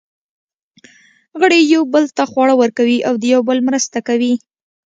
غړي یوه بل ته خواړه ورکوي او د یوه بل مرسته کوي.